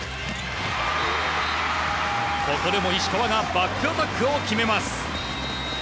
ここでも石川がバックアタックを決めます。